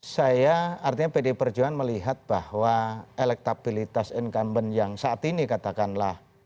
saya artinya pdi perjuangan melihat bahwa elektabilitas incumbent yang saat ini katakanlah